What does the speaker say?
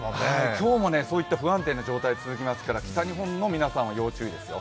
今日もそういった不安定な天気続きますから、北日本の皆さんは注意ですよ。